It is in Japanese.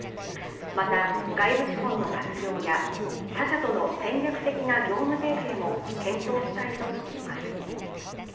また、外部資本の活用や他社との戦略的な業務提携も検討したいとしています。